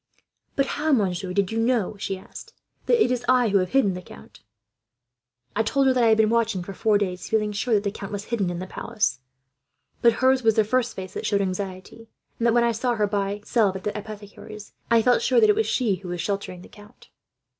"'But how, monsieur, did you know,' she asked, 'that it is I who have hidden the count?' "I told her that I had been watching for four days, feeling sure that the count was hidden in the palace; but hers was the first face that showed anxiety, and that, when I saw her buying salve at the apothecary's, I felt sure that it was she who was sheltering the count."